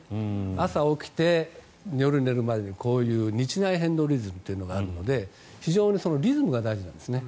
朝起きて夜寝るまでに日内変動リズムというのがあるので非常にリズムが大事なんですね。